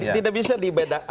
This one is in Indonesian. tidak bisa dibedakan